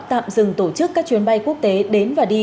tạm dừng tổ chức các chuyến bay quốc tế đến và đi